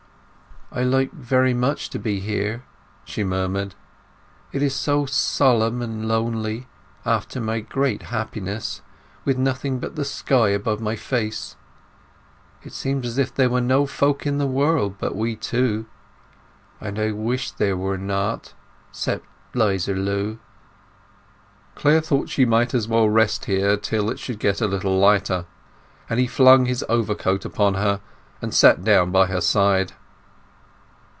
"I like very much to be here," she murmured. "It is so solemn and lonely—after my great happiness—with nothing but the sky above my face. It seems as if there were no folk in the world but we two; and I wish there were not—except 'Liza Lu." Clare thought she might as well rest here till it should get a little lighter, and he flung his overcoat upon her, and sat down by her side.